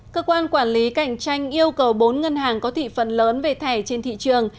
cơ quan quản lý cạnh tranh yêu cầu bốn ngân hàng có thị phần lớn về thẻ trên thị trường